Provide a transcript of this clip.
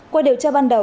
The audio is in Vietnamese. quay điều tra ban đầu